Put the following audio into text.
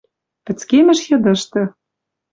Пӹцкемӹш йыдышты